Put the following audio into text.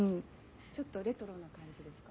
ちょっとレトロな感じですか。